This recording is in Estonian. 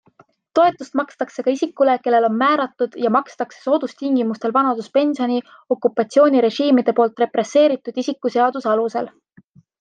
Toetust makstakse ka isikule, kellele on määratud ja makstakse soodustingimustel vanaduspensioni okupatsioonirežiimide poolt represseeritud isiku seaduse alusel.